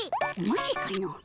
マジかの。